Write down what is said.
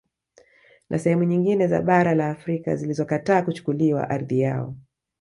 Na sehemu nyingine za bara la Afrika zilizokataa kuchukuliwa ardhi yao